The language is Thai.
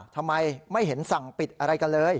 ทำไมไม่เห็นสั่งปิดอะไรกันเลย